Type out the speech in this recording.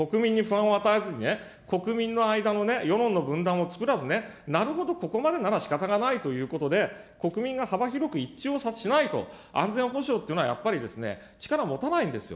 国民に不安を与えずにね、国民の間の世論の分断を作らず、なるほど、ここまでならしかたがないということで、国民が幅広く一致をしないと安全保障っていうのはやっぱりね、力持たないんですよ。